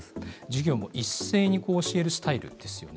授業も一斉に教えるスタイルですよね。